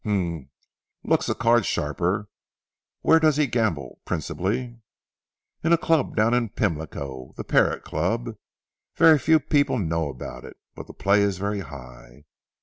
"Humph! Looks a card sharper. Where does he gamble principally?" "In a club down in Pimlico, the Parrot Club. Very few people know about it. But the play is very high?"